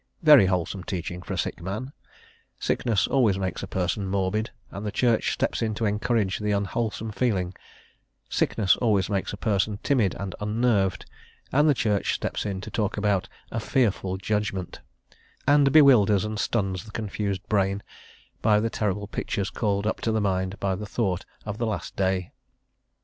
Very wholesome teaching for a sick man; sickness always makes a person morbid, and the Church steps in to encourage the unwholesome feeling; sickness always makes a person timid and unnerved, and the Church steps in to talk about a "fearful judgment," and bewilders and stuns the confused brain by the terrible pictures called up to the mind by the thought of the last day.